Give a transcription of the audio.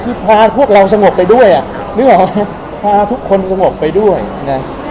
คือพาพวกเราสงบไปด้วยอ่ะนึกออกพาทุกคนสงบไปด้วยนะ